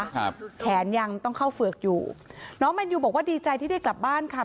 ครับแขนยังต้องเข้าเฝือกอยู่น้องแมนยูบอกว่าดีใจที่ได้กลับบ้านค่ะ